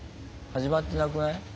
始まってなくない？